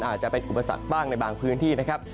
อาจจะเป็นอุปสรรคบ้างในบางพื้นที่นะครับ